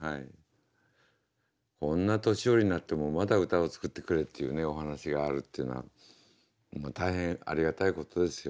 こんな年寄りになってもまだ歌を作ってくれっていうねお話があるっていうのは大変ありがたいことですよ